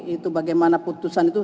itu bagaimana putusan itu